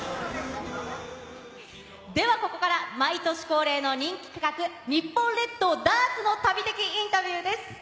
では、ここから毎年恒例の人気企画、日本列島ダーツの旅的インタビューです。